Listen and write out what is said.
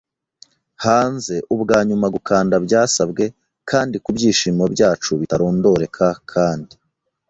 hanze. Ubwanyuma gukanda byasabwe, kandi, kubyishimo byacu bitarondoreka kandi